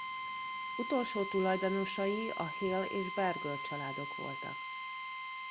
Utolsó tulajdonosai a Halle és Berger családok voltak.